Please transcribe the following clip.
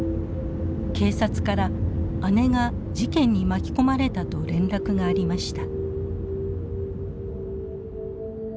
警察から姉が事件に巻き込まれたと連絡がありました。